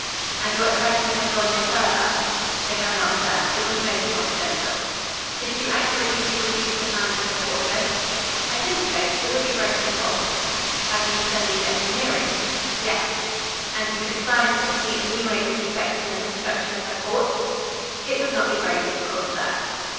"And your impressions have gone no further?" "They have not, sir. It was most confidential." "Could you accurately reproduce the plans of the fortress?" "I think so. It would be very simple." "Have you studied engineering?" "Yes." "And you could scientifically enumerate the defects in the construction of the fort?" "It would not be very difficult, sir."